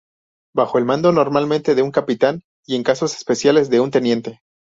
Bajo el mando normalmente de un "Capitán" y en casos especiales de un "Teniente".